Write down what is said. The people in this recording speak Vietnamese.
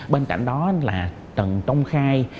bên cạnh đó là cần trông khai